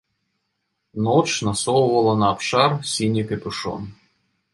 Ноч насоўвала на абшар сіні капюшон.